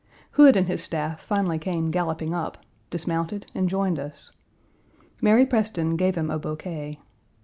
Hood and his staff finally came galloping up, dismounted, and joined us. Mary Preston gave him a bouquet.